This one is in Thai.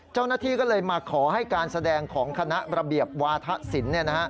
เจ้าหน้าที่ก็เลยมาขอให้การแสดงของคณะระเบียบวาธศิลป์